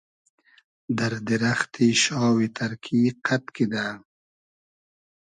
دئر دیرئختی شاوی تئرکی قئد کیدۂ